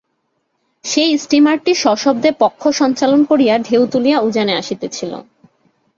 সেই স্টিমারটি সশব্দে পক্ষ সঞ্চালন করিয়া ঢেউ তুলিয়া উজানে আসিতেছিল।